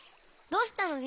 どうしたの？